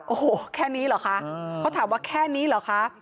โอ้โหแค่นี้เหรอคะเขาถามว่าแค่นี้เหรอคะ